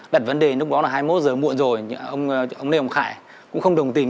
đặt vấn đề lúc đó là hai mươi một giờ muộn rồi nhưng ông lê hồng khải cũng không đồng tình